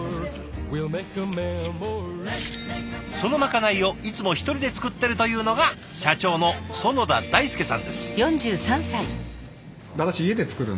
そのまかないをいつも１人で作ってるというのが社長の囿田大輔さんです。